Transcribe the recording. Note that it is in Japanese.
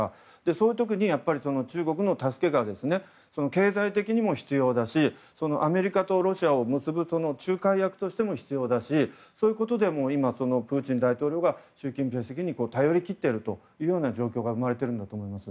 そういう時に中国の助けが経済的にも必要だしアメリカとロシアを結ぶ仲介役としても必要だしそういった意味でもプーチン大統領が習近平主席に頼り切っている状況が生まれているんだと思います。